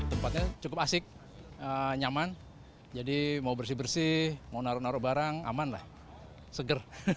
tempatnya cukup asik nyaman jadi mau bersih bersih mau naruh naruh barang aman lah seger